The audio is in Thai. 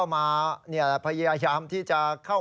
มันเกิดเหตุเป็นเหตุที่บ้านกลัว